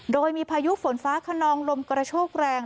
โดยมีพายุฝนฟ้าขนองลมกระโชกแรง